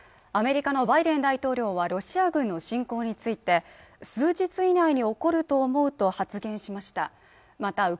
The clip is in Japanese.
アメリカのバイデン大統領はロシア軍の侵攻について数日以内に起こると思うと発言しました